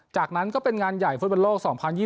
จากนั้นก็เป็นงานใหญ่ฟุตบอลโลก๒๐๒๐